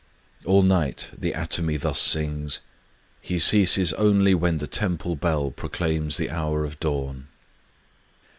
... All night the atomy thus sings: he ceases only when the temple bell proclaims the hour of dawn.